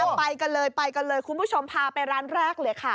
ไปกันเลยไปกันเลยคุณผู้ชมพาไปร้านแรกเลยค่ะ